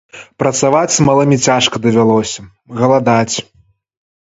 Працаваць з малымі цяжка давялося, галадаць.